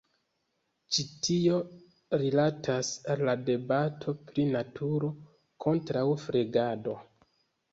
Ĉi tio rilatas al la debato pri naturo kontraŭ flegado.